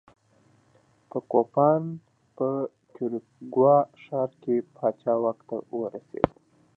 په کوپان په کیوریګوا ښار کې پاچا واک ته ورسېد.